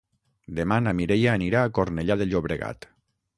Demà na Mireia anirà a Cornellà de Llobregat.